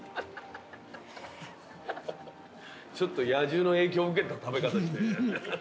ちょっと野獣の影響受けた食べ方して。